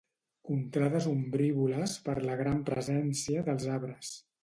Contrades ombrívoles per la gran presència dels arbres.